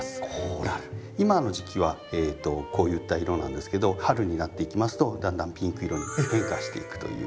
今の時期はこういった色なんですけど春になっていきますとだんだんピンク色に変化していくというような。